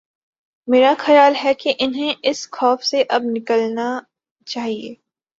میرا خیال ہے کہ انہیں اس خوف سے اب نکلنا چاہیے۔